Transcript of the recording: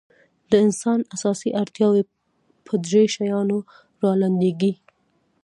د انسان اساسي اړتیاوې په درېو شیانو رالنډېږي.